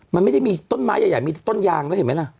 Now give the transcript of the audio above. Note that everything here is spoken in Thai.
มันไม่ได้มีต้นไม้ใหญ่มีต้นยางแล้วเห็นไหมล่ะ